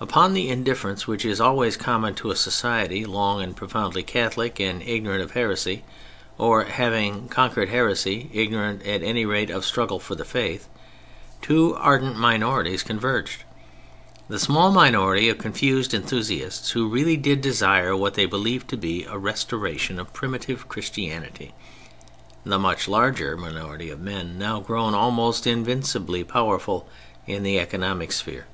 Upon the indifference which is always common to a society long and profoundly Catholic and ignorant of heresy, or, having conquered heresy, ignorant at any rate of struggle for the Faith, two ardent minorities converged: the small minority of confused enthusiasts who really did desire what they believed to be a restoration of "primitive" Christianity: the much larger minority of men now grown almost invincibly powerful in the economic sphere.